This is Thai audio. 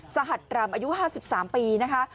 สหัสรำอายุ๕๓ปีนะคะ